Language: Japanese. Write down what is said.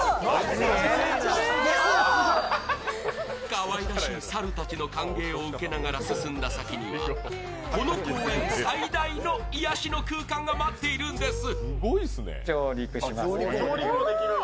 かわいらしい猿たちの歓迎を受けながら進んだ先にはこの公園最大の癒やしの空間が待っているんです。